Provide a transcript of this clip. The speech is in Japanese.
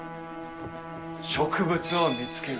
植物を見つける。